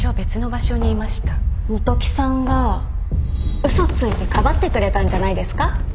元木さんが嘘ついてかばってくれたんじゃないですか？